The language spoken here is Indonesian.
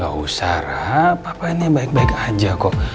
gak usah ra papa ini baik baik aja kok